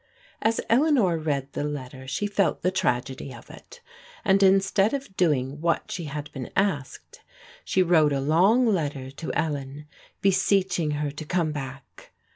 As EHeanor read the letter she felt the tragedy of it, and instead of doing what she had been asked she wrote a long letter to Ellen beseeching her to come back.